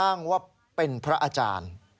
อ้างว่าเป็นพระอาจารย์